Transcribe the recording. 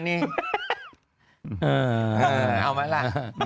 เอาไว้ล่ะ